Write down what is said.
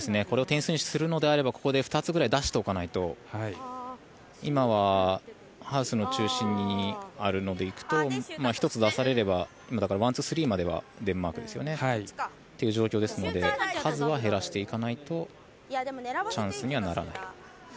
これを点数にするならここで２つぐらい出しておかないと今はハウスの中心にあるので行くと、１つ出されればだからワン、ツー、スリーまではデンマークという状況なので数は減らしていかないとチャンスにはならない。